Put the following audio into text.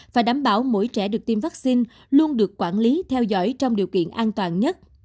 và đảm bảo mỗi trẻ được tiêm vaccine luôn được quản lý theo dõi trong điều kiện an toàn nhất